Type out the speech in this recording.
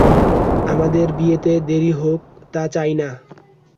আমাদের বিয়েতে দেরি হোক তা চাই না।